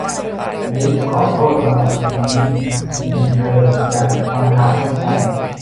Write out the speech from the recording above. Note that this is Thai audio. อลิซขอโทษสำหรับสิ่งนี้ เหมือนเธออยากจะฟังข่าวเช่นกัน